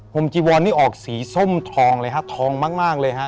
ผมจีวอนนี่ออกสีส้มทองเลยฮะทองมากเลยฮะ